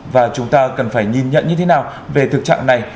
và chúng ta cần phải nhìn nhận như thế nào về thực trạng này